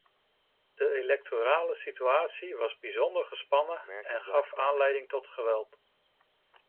De electorale situatie was bijzonder gespannen en gaf aanleiding tot geweld.